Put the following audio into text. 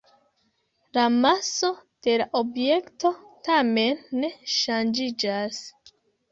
La maso de la objekto tamen ne ŝanĝiĝas.